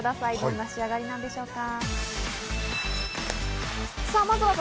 どんな仕上がりなのでしょうか？